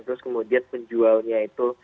terus kemudian penjualnya itu